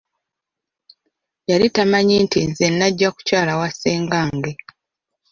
Yali tamanyi nti nze najja kukyala wa ssengange.